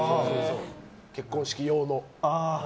結婚式用の。